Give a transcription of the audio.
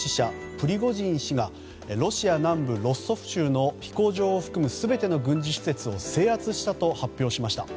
プリゴジン氏がロシア南部ロストフ州の飛行場を含む全ての軍事施設を制圧したと発表しました。